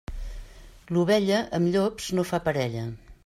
L'ovella, amb llops no fa parella.